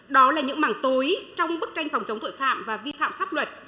đó là những mảng tối trong bức tranh phòng chống tội phạm và vi phạm pháp luật